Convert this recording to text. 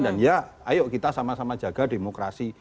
dan ya ayo kita sama sama jaga demokrasi